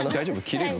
切れる？